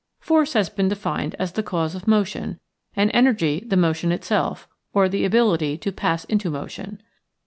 Force has been defined as the cause of motion, and Energy the motion itself, or the ability to pass into motion.